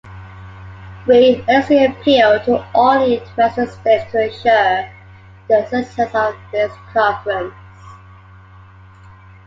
We earnestly appeal to all interested states to ensure the success of this conference.